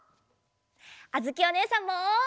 あづきおねえさんも！